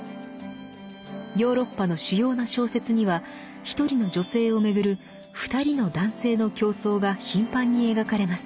ヨーロッパの主要な小説には１人の女性をめぐる２人の男性の競争が頻繁に描かれます。